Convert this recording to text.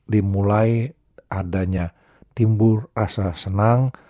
dimulai adanya timbul rasa senang